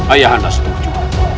ayah anda setuju